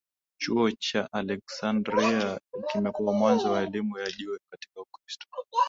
Chuo cha Aleksandria kimekuwa mwanzo wa elimu ya juu katika Ukristo